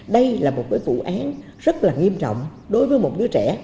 đây là một vụ án rất là nghiêm trọng đối với một đứa trẻ